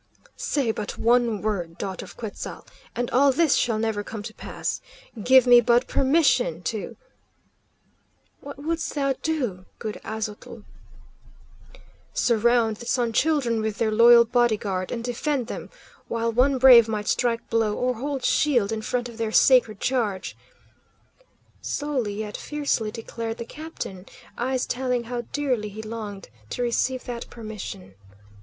"Say but one word, Daughter of Quetzal', and all this shall never come to pass! Give me but permission to " "What wouldst thou do, good Aztotl?" "Surround the Sun Children with their loyal body guard and defend them, while one brave might strike blow, or hold shield in front of their sacred charge," slowly yet fiercely declared the captain, eyes telling how dearly he longed to receive that permission.